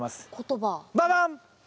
ババン！